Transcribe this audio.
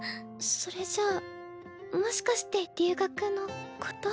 それじゃあもしかして留学のこと？